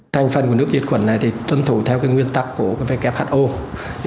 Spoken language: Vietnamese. thành phần của nước dịch khuẩn này tuân thủ theo nguyên tắc của who